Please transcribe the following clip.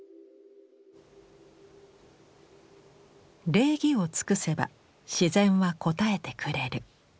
「礼儀を尽くせば自然は応えてくれる」。